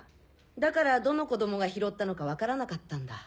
だからどの子供が拾ったのか分からなかったんだ。